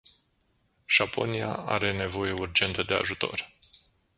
Japonia are nevoie urgentă de ajutor.